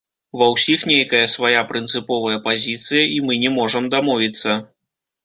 Ва ўсіх нейкая свая прынцыповая пазіцыя, і мы не можам дамовіцца.